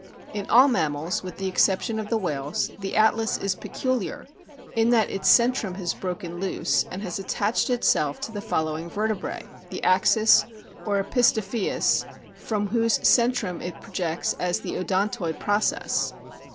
o In all mammals, with the exception of the whales, the atlas is peculiar in that its centrum has broken loose, and has attached itself to the following vertebrae, the axis or epistopheus, from whose centrum it pro jects as the "odontoid process."